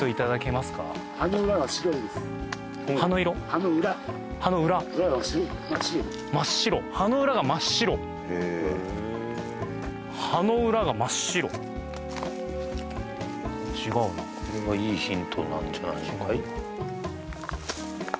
葉の裏葉の裏裏が真っ白真っ白葉の裏が真っ白違うなこれはいいヒントなんじゃないのかい？